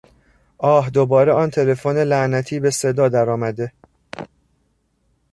آه دوباره آن تلفن لعنتی به صدا درآمده.